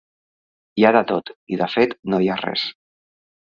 Hi ha de tot, i de fet, no hi ha res.